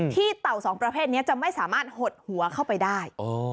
เต่าสองประเภทนี้จะไม่สามารถหดหัวเข้าไปได้